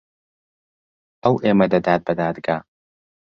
ئەو ئێمە دەدات بە دادگا.